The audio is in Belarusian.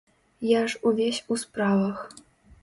Я ж увесь у справах.